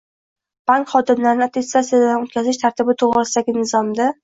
bank xodimlarini attestatsiyadan o‘tkazish tartibi to‘g‘risida”gi Nizomda